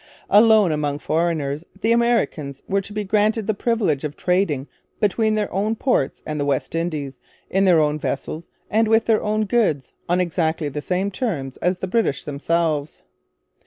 Alone among foreigners the Americans were to be granted the privilege of trading between their own ports and the West Indies, in their own vessels and with their own goods, on exactly the same terms as the British themselves.